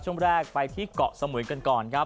ช่วงแรกไปที่เกาะสมุยกันก่อนครับ